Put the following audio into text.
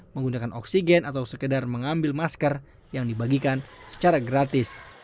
menggunakan oksigen atau sekedar mengambil masker yang dibagikan secara gratis